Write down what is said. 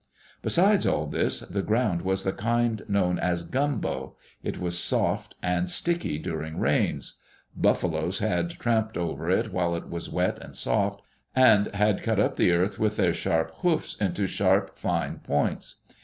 Besides all this, the ground was the kind known as " gumbo." It was soft and sticky during rains. Buffaloes had tramped over it while it was wet and soft, and had cut up the earth with their sharp hoofs into sharp, fine points.